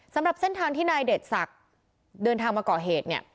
สำหรับเส้นทางที่นายเดชศักดิ์เดินทางมาก่อเหตุเนี่ย